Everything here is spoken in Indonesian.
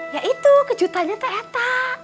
ya itu kejutan nyata eta